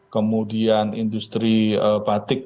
kemudian industri batik